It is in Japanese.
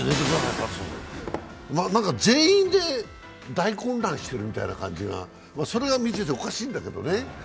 まあ、なんか全員で大混乱してるみたいな感じがそれが見ていて、おかしいんだけどね。